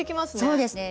そうですね。